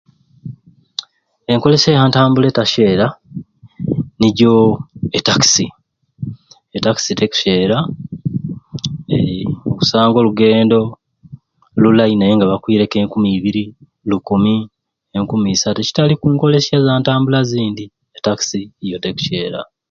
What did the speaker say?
Enkolesya ya ntambula etasyeera nijoo etakisi, etakisi tekusyeera eeh okusanga olugendo lulai nayenga bakwireeku enkumi ibiri, lukumi, enkumi isaatu ekitali kunkolesya ezantambula ezindi etakisi yo tekusyeera.